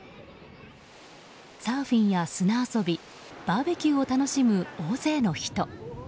サーフィンや砂遊びバーベキューを楽しむ大勢の人。